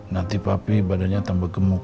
nanti papi badannya tambah gemuk